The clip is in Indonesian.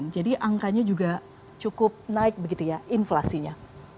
jadi angkanya juga cukup naik begitu ya inflasinya